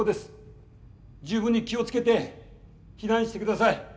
十分に気を付けて避難してください。